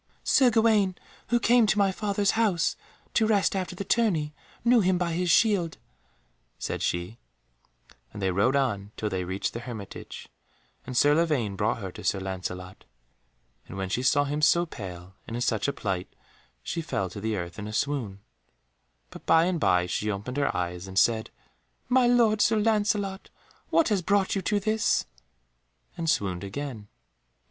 "Sir Gawaine, who came to my father's house to rest after the tourney, knew him by his shield," said she, and they rode on till they reached the hermitage, and Sir Lavaine brought her to Sir Lancelot. And when she saw him so pale, and in such a plight, she fell to the earth in a swoon, but by and by she opened her eyes and said, "My lord Sir Lancelot, what has brought you to this?" and swooned again.